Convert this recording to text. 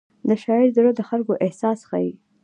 د شاعر زړه د خلکو احساس ښيي.